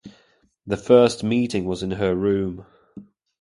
The first meeting was in her room.